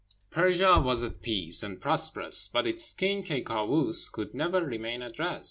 Persia was at peace, and prosperous; but its king, Ky Kâoos, could never remain at rest.